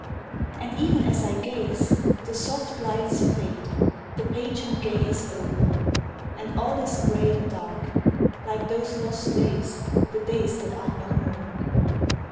And even as I gaze, The soft lights fade, the pageant gay is o'er, And all is grey and dark, like those lost days, The days that are no more.